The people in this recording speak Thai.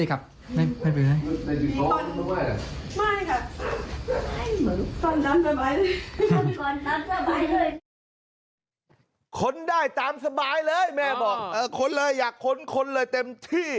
คนได้ตามสบายเลยแม่บอกค้นเลยอยากค้นค้นเลยเต็มที่